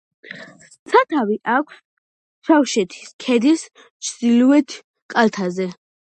სათავე აქვს შავშეთის ქედის ჩრდილოეთ კალთაზე.